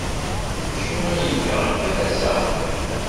D acu ay iga imalas-a?